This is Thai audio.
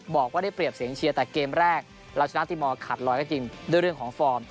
บอกว่าได้เปรียบเสียงเชียร์แต่เกมแรกเราชนะตีมอร์ขาดลอยก็จริงด้วยเรื่องของฟอร์ม